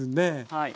はい。